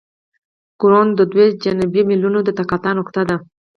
کرون د دوه جانبي میلونو د تقاطع نقطه ده